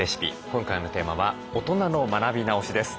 今回のテーマは「大人の学び直し」です。